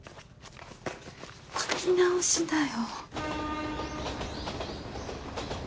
書き直しだよ。